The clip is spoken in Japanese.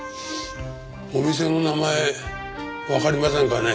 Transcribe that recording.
お店の名前わかりませんかね？